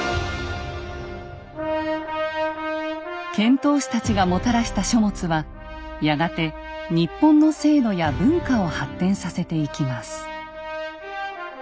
遣唐使たちがもたらした書物はやがて日本の制度や文化を発展させていきます。